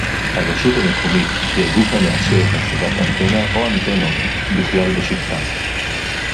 הרשות המקומית היא הגוף המאשר הצבת אנטנה או אנטנות בכלל בשטחה